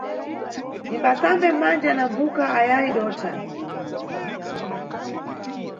Timbasambe manja na mbvuka ayayi dotha.